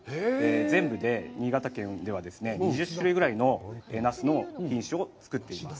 全部で新潟県では２０種類ぐらいのナスの品種を作っています。